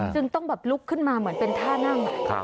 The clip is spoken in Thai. จึงต้องแบบลุกขึ้นมาเหมือนเป็นท่านั่ง